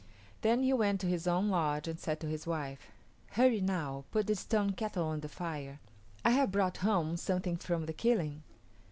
Then he went to his own lodge and said to his wife, "Hurry, now, put the stone kettle on the fire. I have brought home something from the killing."